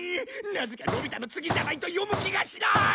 なぜかのび太の次じゃないと読む気がしない！